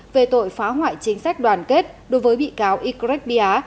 về tội phá hoại chính sách đoàn kết đối với bị cáo ycret bia